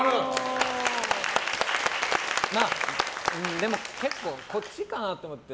でも結構△かなと思って。